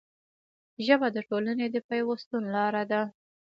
ژبه د ټولنې د پیوستون لاره ده